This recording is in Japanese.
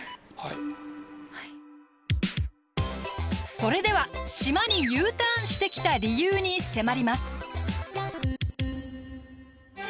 それでは島にＵターンしてきた理由に迫ります。